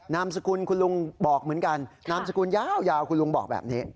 นามสกุลคุณลุงบอกเหมือนกันนามสกุลยาวคุณลุงบอกแบบนี้